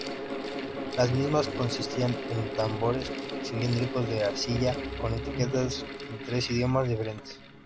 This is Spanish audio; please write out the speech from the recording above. Las mismas consistían en tambores cilíndricos de arcilla con etiquetas en tres idiomas diferentes.